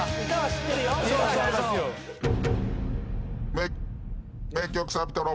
め名曲サビトロ。